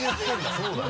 そうだよ。